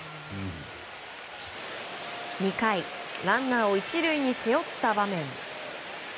２回、ランナーを１塁に背負った場面。